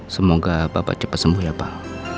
semoga bapak cepat sembuh ya pak